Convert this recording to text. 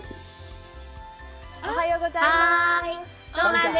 おはようございます。